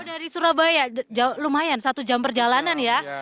kalau dari surabaya lumayan satu jam perjalanan ya